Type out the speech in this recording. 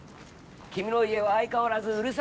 君の家は相変わらずうるさいね」。